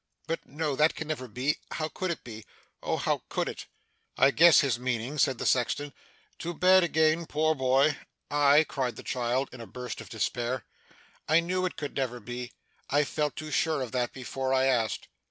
'But no, that can never be! How could it be Oh! how could it!' 'I guess his meaning,' said the sexton. 'To bed again, poor boy!' 'Ay!' cried the child, in a burst of despair. 'I knew it could never be, I felt too sure of that, before I asked!